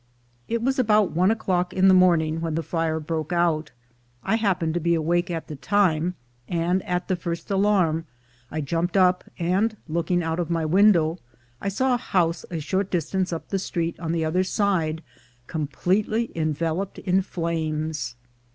It was about one o'clock in the morning when the fire broke out. I happened to be awake at the time, and at the first alarm I jumped up, and, looking out of my window, I saw a house a short distance up the street on the other side completely enveloped in flames.